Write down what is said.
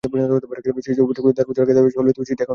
সেই অভিযোগপত্র দেড় বছর আগে দেওয়া হলেও সেই চিঠি এখনো আসেনি।